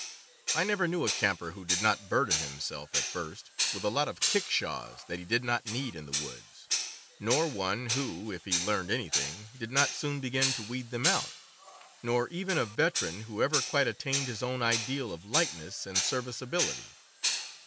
I never knew a camper who did not burden himself, at first, with a lot of kickshaws that he did not need in the woods; nor one who, if he learned anything, did not soon begin to weed them out; nor even a veteran who ever quite attained his own ideal of lightness and serviceability.